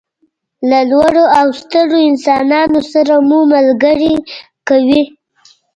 له لوړو او سترو انسانانو سره مو ملګري کوي.